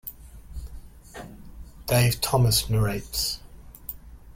Dave Thomas narrates.